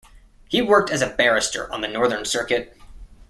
He worked as a barrister on the Northern Circuit.